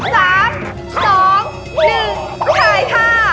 ถ่ายค่ะ